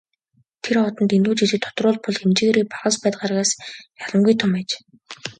Тэр од нь дэндүү жижиг, тодруулбал хэмжээгээрээ Бархасбадь гаригаас ялимгүй том аж.